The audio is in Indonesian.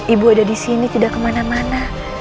ibu ada di sini tidak kemana mana